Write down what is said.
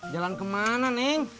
jalan ke mana neng